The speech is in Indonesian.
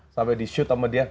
sampe di shoot sama dia